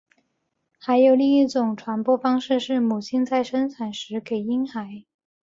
还有另一种传播方式是母亲在生产时给婴孩。